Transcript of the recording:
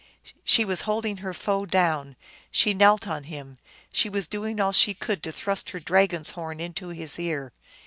She was holding her foe down, she knelt on him, she was doing all she could to thrust her dragon s horn into his ear.